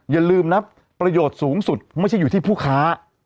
อย่าลืมนะประโยชน์สูงสุดไม่ใช่อยู่ที่ผู้ค้า